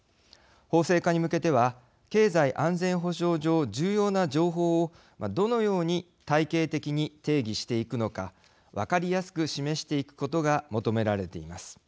法制化に向けては経済安全保障上、重要な情報をどのように体系的に定義していくのか分かりやすく示していくことが求められています。